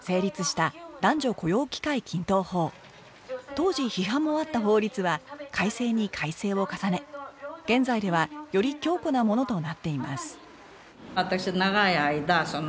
当時批判もあった法律は改正に改正を重ね現在ではより強固なものとなっています